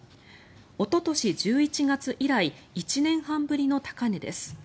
おととし１１月以来１年半ぶりの高値です。